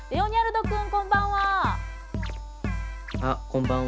こんばんは。